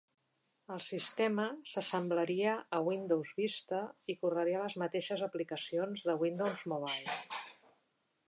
El sistema se semblaria a Windows Vista i correria les mateixes aplicacions de Windows Mobile.